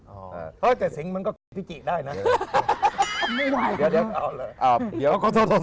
โอ้วสิงมันก็ปี้กิได้นะ